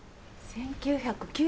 １９９９年？